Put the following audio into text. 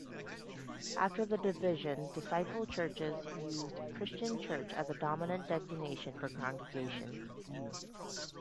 After the division Disciples churches used "Christian Church" as the dominant designation for congregations.